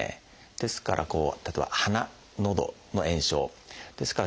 ですからこう例えば鼻のどの炎症。ですから